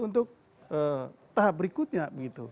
untuk tahap berikutnya